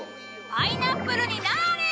パイナップルになあれ！